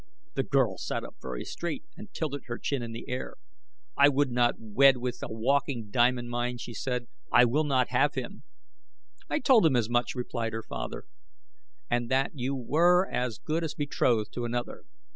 The girl sat up very straight and tilted her chin in the air. "I would not wed with a walking diamond mine," she said. "I will not have him." "I told him as much," replied her father, "and that you were as good as betrothed to another.